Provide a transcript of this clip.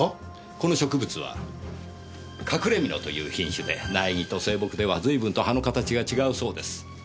この植物はカクレミノという品種で苗木と成木では随分と葉の形が違うそうです。